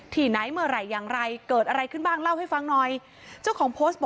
ทีไหนเมื่อไรอย่างไรเกิดอะไรขึ้นบ้างเล่าให้ฟังหน่อย